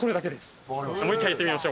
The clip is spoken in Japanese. もう一回やってみましょう。